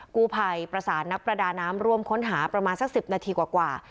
กู้ภัยประสานนักประดาน้ำร่วมค้นหาประมาณสัก๑๐นาทีกว่า